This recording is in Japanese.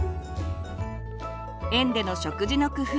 園での食事の工夫